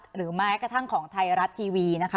หรือแม้กระทั่งของไทยรัฐทีวีนะคะ